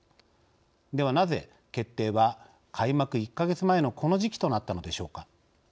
では、なぜ決定は開幕１か月前のこの時期となったのでしょうか。